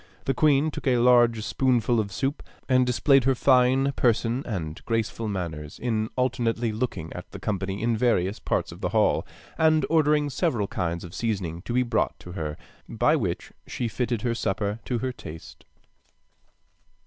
The queen took a large spoonful of soup, and displayed her fine person and graceful manners, in alternately looking at the company in various parts of the hall, and ordering several kinds of seasoning to be brought to her, by which she fitted her supper to her taste.